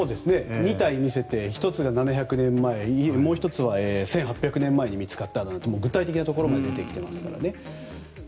２体見せて１つが７００年前もう１つは１８００年前に見つかったという具体的なところまで出てきてますからね。